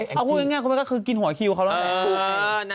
เอาง่ายก็คือกินหัวคิวเขาแล้วแหละ